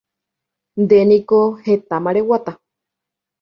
Ndéniko hetama reguata